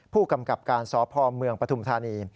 ผู้กำกับการสพเมืองปฐุมธานี